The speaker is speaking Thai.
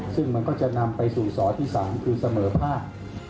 ซึ่งมันก็จะนำไปสู่สอที่๓คือเสมอภาค